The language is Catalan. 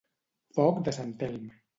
Foc de sant Elm.